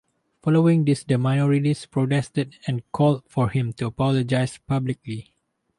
Following this the minorities protested and called for him to apologize publicly.